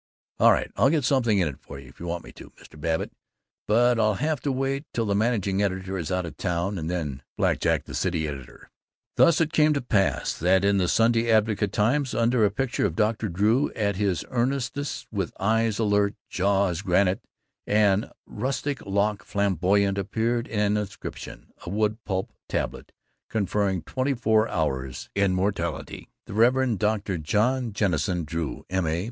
"All right, I'll get something in if you want me to, Mr. Babbitt, but I'll have to wait till the managing editor is out of town, and then blackjack the city editor." Thus it came to pass that in the Sunday Advocate Times, under a picture of Dr. Drew at his earnestest, with eyes alert, jaw as granite, and rustic lock flamboyant, appeared an inscription a wood pulp tablet conferring twenty four hours' immortality: The Rev. Dr. John Jennison Drew, M.A.